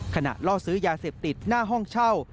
ล่อซื้อยาเสพติดหน้าห้องเช่า